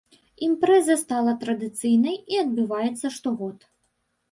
Імпрэза стала традыцыйнай і адбываецца штогод.